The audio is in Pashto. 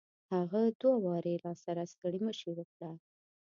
هغه دوه واري راسره ستړي مشي وکړه.